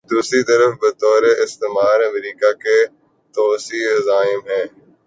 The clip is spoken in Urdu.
دوسری طرف بطور استعمار، امریکہ کے توسیعی عزائم ہیں۔